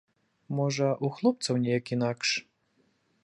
Можа ў хлопцаў неяк інакш.